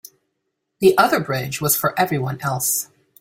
The other bridge was for everyone else.